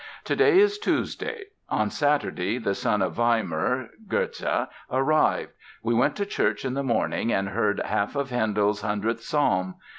"Today is Tuesday. On Saturday the Sun of Weimar, Goethe, arrived. We went to church in the morning and heard half of Handel's 100th Psalm.